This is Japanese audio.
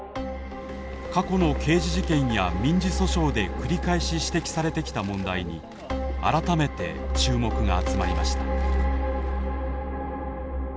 過去の刑事事件や民事訴訟で繰り返し指摘されてきた問題に改めて注目が集まりました。